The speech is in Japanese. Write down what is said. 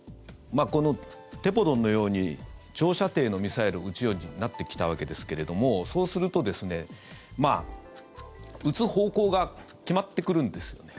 このテポドンのように長射程のミサイルを撃つようになってきたわけですがそうすると、撃つ方向が決まってくるんですよね。